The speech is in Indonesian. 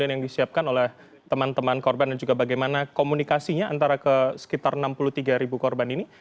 yang disiapkan oleh teman teman korban dan juga bagaimana komunikasinya antara ke sekitar enam puluh tiga korban ini